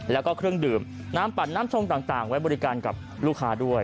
แล้วก็เครื่องดื่มน้ำปั่นน้ำชงต่างไว้บริการกับลูกค้าด้วย